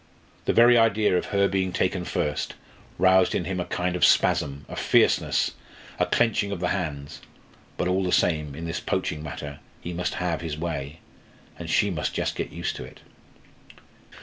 The very idea of her being taken first, roused in him a kind of spasm a fierceness, a clenching of the hands. But all the same, in this poaching matter, he must have, his way, and she must just get used to it.